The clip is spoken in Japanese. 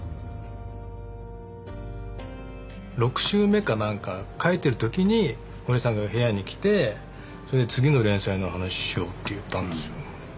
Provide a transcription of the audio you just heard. ６週目か何か描いてる時に堀江さんが部屋に来てそれで「次の連載の話しよう」って言ったんですよ。